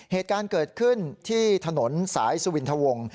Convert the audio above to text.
เหตุการณ์เกิดขึ้นที่ถนนสายสุวินทะวง